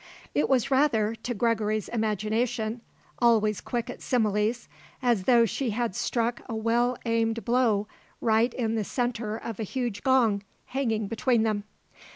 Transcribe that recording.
It was rather, to Gregory's imagination always quick at similes as though she had struck a well aimed blow right in the centre of a huge gong hanging between them.